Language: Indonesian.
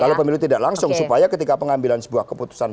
kalau pemilu tidak langsung supaya ketika pengambilan sebuah keputusan